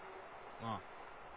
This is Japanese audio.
ああ。